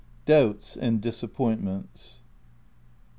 DOUBTS AND DISAPPOINTMENTS.